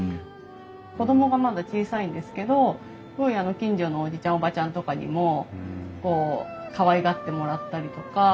子供がまだ小さいんですけどすごい近所のおじちゃんおばちゃんとかにもこうかわいがってもらったりとか。